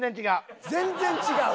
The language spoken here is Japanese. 全然違う！